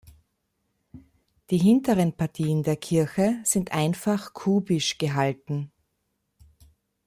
Die hinteren Partien der Kirche sind einfach-kubisch gehalten.